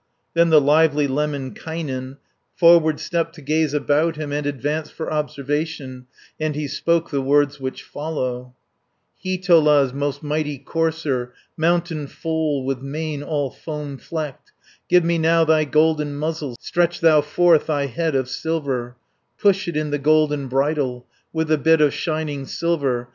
Then the lively Lemminkainen, Forward stepped to gaze about him, And advanced for observation, And he spoke the words which follow: "Hiitola's most mighty courser, Mountain foal, with mane all foam flecked, Give me now thy golden muzzle, Stretch thou forth thy head of silver, 330 Push it in the golden bridle, With the bit of shining silver.